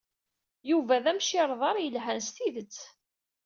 Yuba d amcirḍar yelhan s tidet.